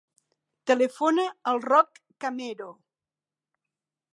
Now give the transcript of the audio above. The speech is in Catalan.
Telefona al Roc Camero.